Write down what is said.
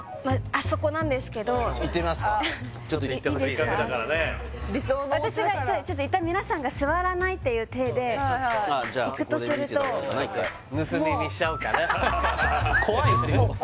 あそこなんですけど行ってみますかちょっと行ってせっかくだからね理想のおうちだから私がじゃあちょっといったん皆さんが座らないっていう体で行くとするとここで見てればいいかな一回盗み見しちゃおうかな怖いっすよあっあれ？